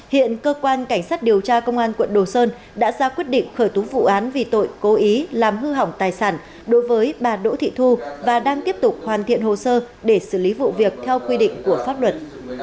hiện cơ quan cảnh sát điều tra công an quận đồ sơn đã ra quyết định khởi tố vụ án vì tội cố ý làm hư hỏng tài sản đối với bà đỗ thị thu và đang tiếp tục hoàn thiện hồ sơ để xử lý vụ việc theo quy định của pháp luật